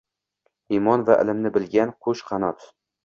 Iymon va ilmni bilgan qo’sh qanot –